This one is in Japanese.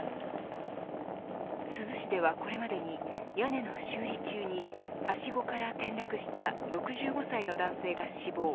珠洲市ではこれまでに屋根の修理中にはしごから転落した６５歳の男性が死亡。